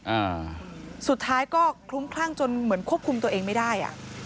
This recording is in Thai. อ่าสุดท้ายก็คลุ้มคลั่งจนเหมือนควบคุมตัวเองไม่ได้อ่ะ